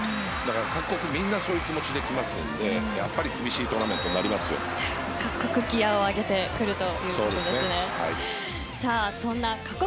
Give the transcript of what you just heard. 各国みんな、そういう気持ちで来ますのでやっぱり厳しいトーナメントに各国ギアを上げてくると。